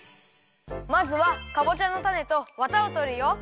まずはかぼちゃのタネとワタをとるよ。